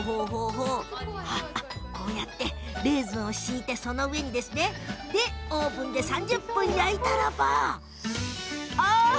レーズンを敷いてその上にオーブンで３０分、焼いたらお！